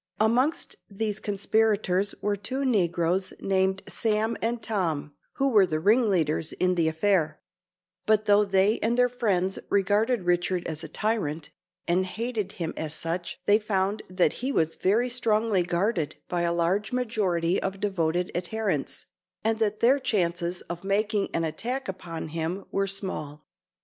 Amongst these conspirators were two negroes named Sam and Tom, who were the ringleaders in the affair; but though they and their friends regarded Richard as a tyrant, and hated him as such, they found that he was very strongly guarded by a large majority of devoted adherents, and that their chances of making an attack upon him were small.